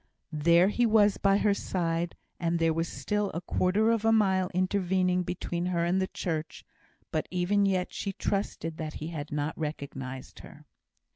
There he was by her side; and there was a quarter of a mile intervening between her and the church; but even yet she trusted that he had not recognised her.